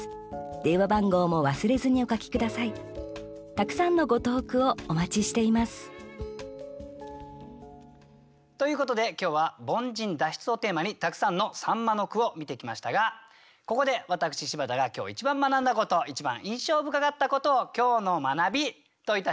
たくさんのご投句をお待ちしていますということで今日は「凡人脱出」をテーマにたくさんの秋刀魚の句を見てきましたがここで私柴田が今日一番学んだこと一番印象深かったことを「今日の学び」といたしまして